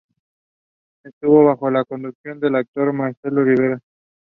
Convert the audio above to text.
High School in Edinburgh.